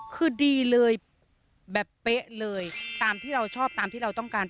คือดีเลยแบบเป๊ะเลยตามที่เราชอบตามที่เราต้องการ